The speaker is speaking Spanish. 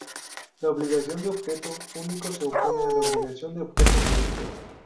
La obligación de objeto único se opone a la obligación de objeto múltiple.